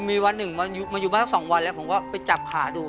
มีวันหนึ่งมาอยู่บ้าน๒วันแล้วผมก็ไปจับขาดู